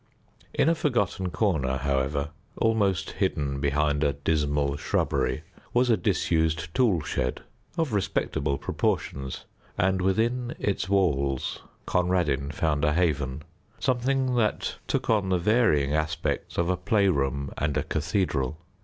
In a forgotten corner, however, almost hidden behind a dismal shrubbery, was a disused tool shed of respectable proportions, and within its walls Conradin found a haven, something that took on the varying aspects of a playroom and a cathedral.